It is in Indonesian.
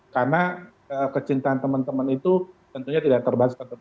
karena kecintaan teman teman itu tentunya tidak terbatas atau terpundung